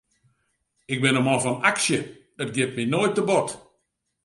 Ik bin in man fan aksje, it giet my noait te bot.